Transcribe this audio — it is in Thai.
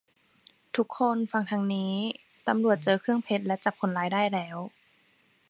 ทุกคนฟังทางนี้ ตำรวจเจอเครื่องเพชรและจับคนร้ายได้แล้ว